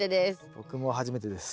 僕も初めてです。